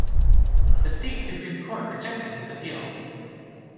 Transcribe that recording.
The State Supreme Court rejected his appeal.